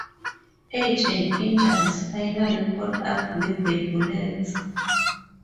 Age and injuries finally caught up with the Bullets.